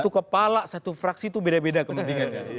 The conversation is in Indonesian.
satu kepala satu fraksi itu beda beda kepentingannya